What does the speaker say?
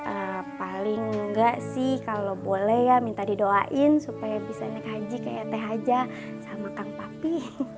eh paling nggak sih kalo boleh ya minta didoain supaya bisa nek haji kayak teh aja sama kang papi